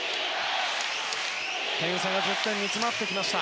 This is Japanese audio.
点差が１０点に詰まってきました。